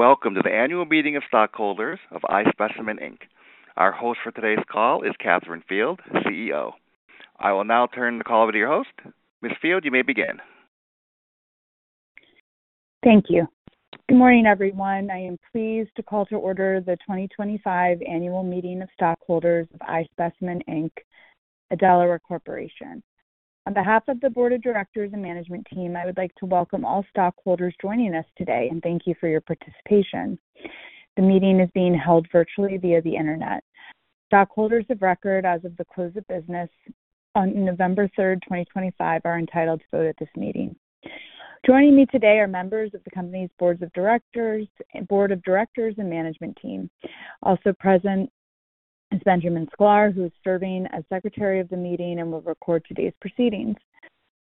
Welcome to the Annual Meeting of Stockholders of iSpecimen, Inc. Our host for today's call is Katharyn Field, CEO. I will now turn the call over to your host. Ms. Field, you may begin. Thank you. Good morning, everyone. I am pleased to call to order the 2025 Annual Meeting of Stockholders of iSpecimen, Inc., a Delaware corporation. On behalf of the Board of Directors and management team, I would like to welcome all stockholders joining us today, and thank you for your participation. The meeting is being held virtually via the Internet. Stockholders of record as of the close of business on November 3rd, 2025 are entitled to vote at this meeting. Joining me today are members of the company's Board of Directors and management team. Also present is Benjamin Sklar, who is serving as Secretary of the meeting and will record today's proceedings.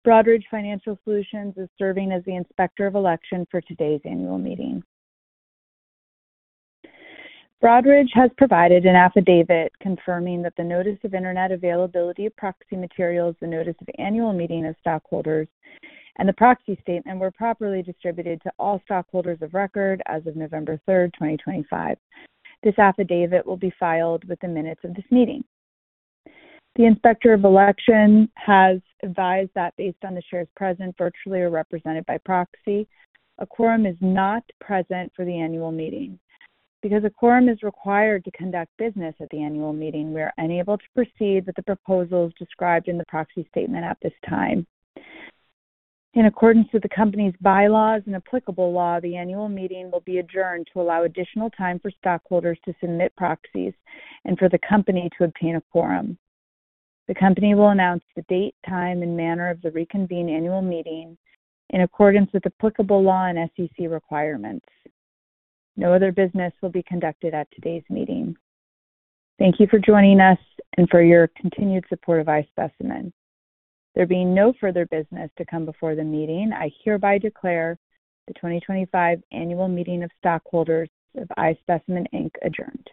Broadridge Financial Solutions is serving as the Inspector of Election for today's Annual Meeting. Broadridge has provided an affidavit confirming that the Notice of Internet Availability of Proxy Materials, the Notice of Annual Meeting of Stockholders, and the Proxy Statement were properly distributed to all stockholders of record as of November 3rd, 2025. This affidavit will be filed with the minutes of this meeting. The Inspector of Election has advised that based on the shares present virtually or represented by proxy, a quorum is not present for the Annual Meeting. Because a quorum is required to conduct business at the Annual Meeting, we are unable to proceed with the proposals described in the Proxy Statement at this time. In accordance with the company's Bylaws and applicable law, the Annual Meeting will be adjourned to allow additional time for stockholders to submit proxies and for the company to obtain a quorum. The company will announce the date, time and manner of the reconvened Annual Meeting in accordance with applicable law and SEC requirements. No other business will be conducted at today's meeting. Thank you for joining us and for your continued support of iSpecimen. There being no further business to come before the meeting, I hereby declare the 2025 Annual Meeting of Stockholders of iSpecimen, Inc adjourned.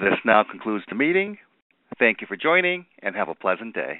This now concludes the meeting. Thank you for joining, and have a pleasant day.